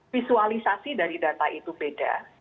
visualisasi dari data itu beda